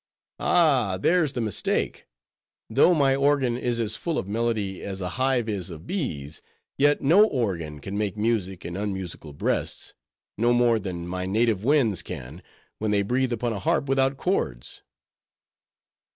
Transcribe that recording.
"Ah! there's the mistake. Though my organ is as full of melody, as a hive is of bees; yet no organ can make music in unmusical breasts; no more than my native winds can, when they breathe upon a harp without chords."